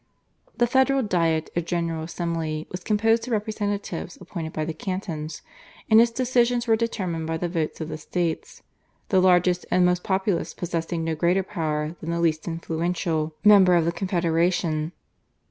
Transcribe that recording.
The Federal Diet or General Assembly was composed of representatives appointed by the cantons, and its decisions were determined by the votes of the states, the largest and most populous possessing no greater powers than the least influential member of the confederation.